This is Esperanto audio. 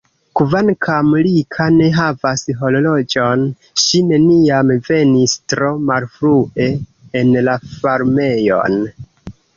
Kvankam Rika ne havas horloĝon, ŝi neniam venis tro malfrue en la farmejon.